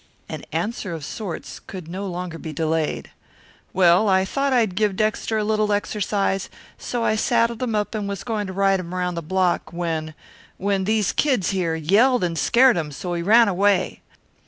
An answer of sorts could no longer be delayed. "Well, I thought I'd give Dexter a little exercise, so I saddled him up and was going to ride him around the block, when when these kids here yelled and scared him so he ran away."